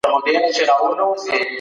ايا کرنه پرمختګ کړی دی؟